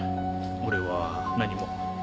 俺は何も。